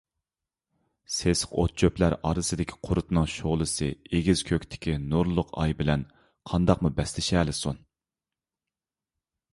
سېسىق ئوت - چۆپلەر ئارىسىدىكى قۇرتنىڭ شولىسى ئېگىز كۆكتىكى نۇرلۇق ئاي بىلەن قانداقمۇ بەسلىشەلىسۇن؟